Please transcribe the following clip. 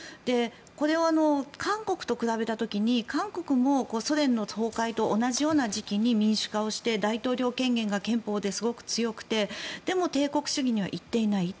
これを韓国と比べた時に韓国もソ連の崩壊と同じような時期に民主化をして大統領権限が憲法でものすごく強くてでも帝国主義には行っていない。